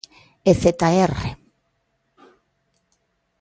Ezetaerre.